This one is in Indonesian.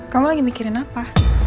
kamu lagi mikirin apa